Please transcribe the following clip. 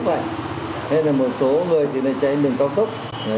hay là một số người thì nên chạy lên đường cao tốc